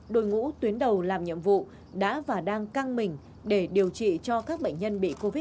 đội ngũ tuyến đầu làm nhiệm vụ đã và đang căng mình để điều trị cho các bệnh nhân bị covid một mươi chín